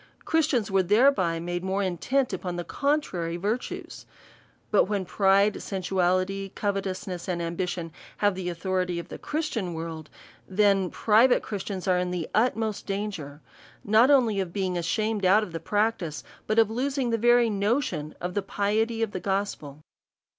Christians were thereby made more intent upon the contrary virtues. But when pride, sensuality, covet q3 S30 A SERIOUS CALL TO A ousness^ and ambition, have the authority of the Christian world, then private Christians are in the ut most danger, not only of being* shamed out of the practice, but of losing the very notion of the piety of the gospel.